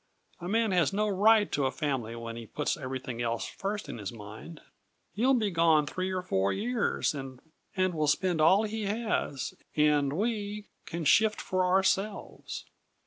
A man has no right to a family when he puts everything else first in his mind. He'll be gone three or four years, and will spend all he has, and we can shift for ourselves.